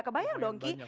kebanyakan dong ki